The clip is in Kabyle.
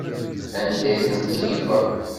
Anda ay ten-tkeyyfeḍ?